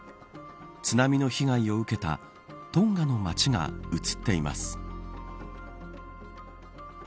津波の被害を受けたトンガの街が写っています。